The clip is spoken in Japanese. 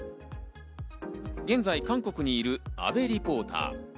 現在、韓国にいる阿部リポーター。